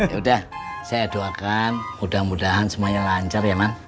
yaudah saya doakan mudah mudahan semuanya lancar ya bang